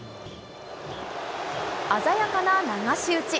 鮮やかな流し打ち。